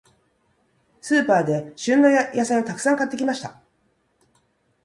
スーパーで、旬の野菜をたくさん買ってきました。